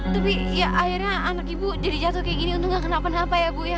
tapi ya akhirnya anak ibu jadi jatuh kayak gini untuk gak kena apa apa ya bu